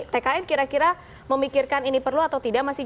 tkn kira kira memikirkan ini perlu atau tidak